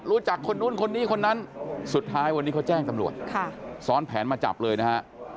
รู้จักคนนู้นคนนี้คนนั้นสุดท้ายวันนี้เขาแจ้งตำรวจซ้อนแผนมาจับเลยนะฮะ